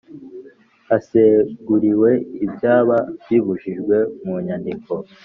Haseguriwe ibyaba bibujijwe mu nyandiko